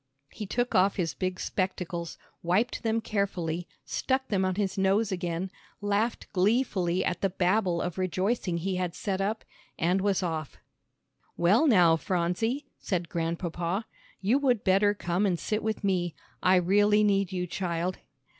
He took off his big spectacles, wiped them carefully, stuck them on his nose again, laughed gleefully at the babel of rejoicing he had set up, and was off. "Well now, Phronsie," said Grandpapa, "you would better come and sit with me. I really need you, child."